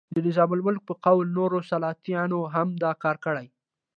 د نظام الملک په قول نورو سلاطینو هم دا کار کړی.